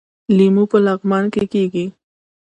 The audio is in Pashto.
لیمو په لغمان کې کیږي